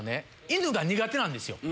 犬が苦手なんですよ。